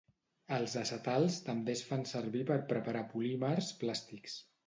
Els acetals també es fan servir per preparar polímers plàstics.